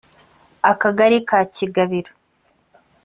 Akagari ka Kigabiro